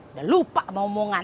udah lupa mah omongan